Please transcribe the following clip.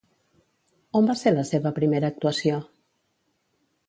On va ser la seva primera actuació?